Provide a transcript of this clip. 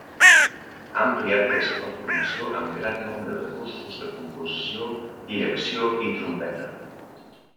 Ha ampliat la seva formació amb gran nombre de cursos de composició, direcció i trompeta.